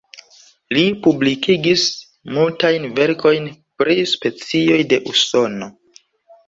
Li publikigis multajn verkojn pri specioj de Usono.